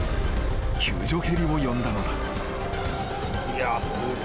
［救助ヘリを呼んだのだ］